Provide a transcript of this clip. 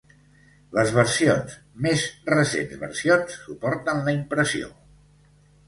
Les versions més recents versions suporten la impressió.